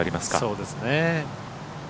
そうですね。